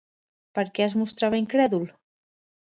Per què es mostrava incrèdul?